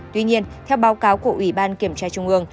tuy nhiên theo báo cáo của ủy ban kiểm tra trung ương